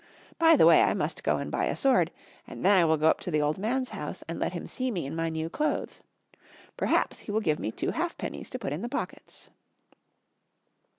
By the way I must go and buy a sword, and then I will go up to the old man's house and let him see me in my new clothes. Perhaps he will give me two halfpennies to put in the pockets."